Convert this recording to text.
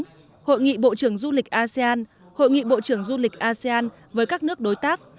hội nghị bộ trưởng du lịch asean hội nghị bộ trưởng du lịch asean với các nước đối tác